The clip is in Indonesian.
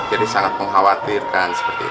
jadi sangat mengkhawatirkan